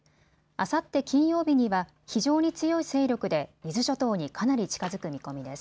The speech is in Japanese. あさって金曜日には非常に強い勢力で伊豆諸島にかなり近づく見込みです。